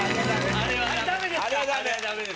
あれダメですか？